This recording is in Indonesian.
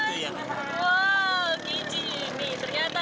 nah dia jangan ketat